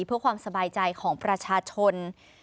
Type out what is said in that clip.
เพื่อความสบายใจของประชาชน